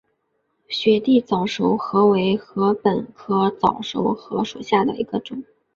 雪地早熟禾为禾本科早熟禾属下的一个种。